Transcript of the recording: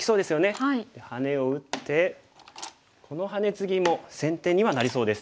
ハネを打ってこのハネツギも先手にはなりそうです。